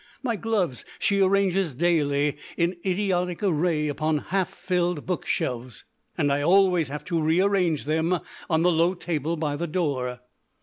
My gloves she arranges daily in idiotic array upon a half filled bookshelf, and I always have to rearrange them on the low table by the door.